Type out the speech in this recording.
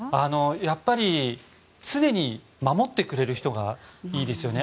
やっぱり常に守ってくれる人がいいですよね。